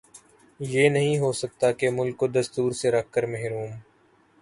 یہ نہیں ہو سکتا کہ ملک کو دستور سےرکھ کر محروم